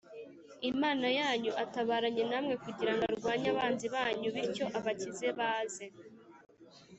Imana yanyu atabaranye namwe kugira ngo arwanye abanzi banyu bityo abakize baze